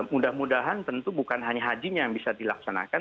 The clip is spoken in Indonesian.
mudah mudahan tentu bukan hanya hajinya yang bisa dilaksanakan